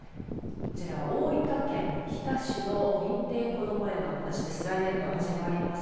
こちらは大分県日田市の認定こども園の話です。